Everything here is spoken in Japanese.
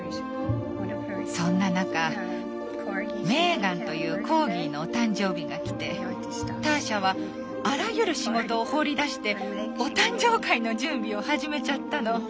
そんな中メーガンというコーギーのお誕生日がきてターシャはあらゆる仕事を放り出してお誕生会の準備を始めちゃったの。